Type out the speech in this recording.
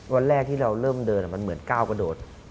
วันแรกที่เราเริ่มเดินมันเหมือนก้าวกระโดด